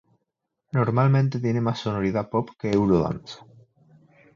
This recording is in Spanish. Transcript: Normalmente tiene más sonoridad pop que "Eurodance".